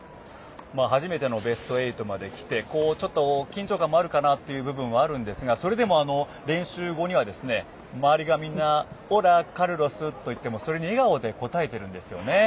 初めてのベスト８まできてちょっと緊張感もあるかなという部分もあるんですがそれでも練習後には周りがみんなオラ、カルロスと言ってもそれに笑顔で応えてるんですよね。